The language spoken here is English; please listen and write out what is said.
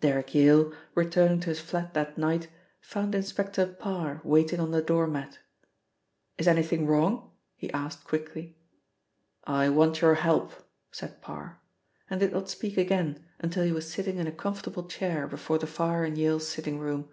Derrick Yale, returning to his flat that night, found Inspector Parr waiting on the door mat. "Is anything wrong?" he asked quickly. "I want your help," said Parr, and did not speak again until he was sitting in a comfortable chair before the fire in Yale's sitting room.